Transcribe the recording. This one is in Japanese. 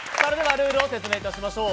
ルールを説明いたしましょう。